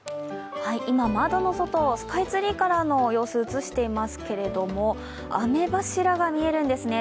今、窓の外、スカイツリーからの様子を映していますけれども、雨柱が見えるんですね。